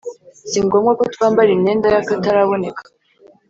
Si ngombwa ko twambara imyenda y akataraboneka